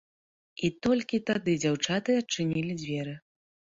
І толькі тады дзяўчаты адчынілі дзверы.